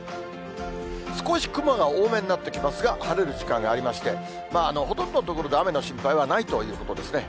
少し雲が多めになってきますが、晴れる時間がありまして、ほとんどの所で雨の心配はないということですね。